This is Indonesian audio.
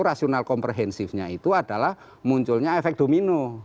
rasional komprehensifnya itu adalah munculnya efek domino